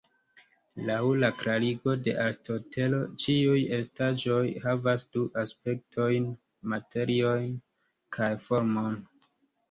Laŭ la klarigo de Aristotelo, ĉiuj estaĵoj havas du aspektojn, "materion" kaj "formon.